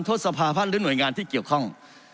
ศภาพันธ์หรือหน่วยงานที่เกี่ยวข้อง